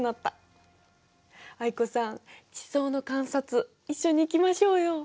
藍子さん地層の観察一緒に行きましょうよ。